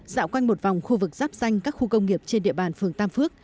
dạo quanh một vòng khu vực ráp xanh các khu công nghiệp trên địa bàn phường tam phước